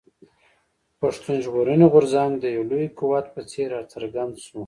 پښتون ژغورني غورځنګ د يو لوی قوت په څېر راڅرګند شو.